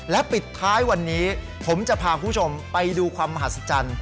และปิดท้ายวันนี้ผมจะพาคุณผู้ชมไปดูความมหัศจรรย์